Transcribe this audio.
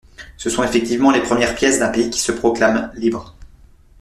Ce sont effectivement les premières pièces d'un pays qui se proclame libre.